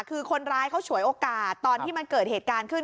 คือคนร้ายเขาฉวยโอกาสตอนที่มันเกิดเหตุการณ์ขึ้น